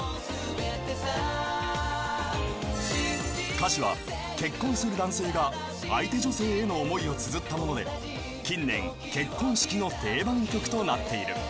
［歌詞は結婚する男性が相手女性への思いをつづったもので近年結婚式の定番曲となっている］